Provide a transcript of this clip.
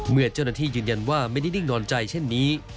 เมื่อเจ้านัทธิยืนยันว่ามันยิ่งนอนใจเช่นนี้